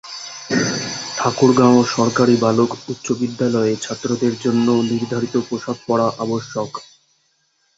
ঠাকুরগাঁও সরকারি বালক উচ্চ বিদ্যালয়ে ছাত্রদের জন্য নির্ধারিত পোশাক পরা আবশ্যক।